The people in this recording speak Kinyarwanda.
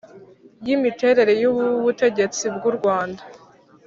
y imiterere y ubutegetsi bw’ u Rwanda